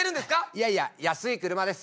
いやいや安い車です。